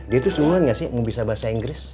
dia tuh semangat gak sih mau bisa bahasa inggris